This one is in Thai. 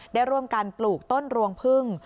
ได้ร่วมกันปลูกต้นรวงพึ่ง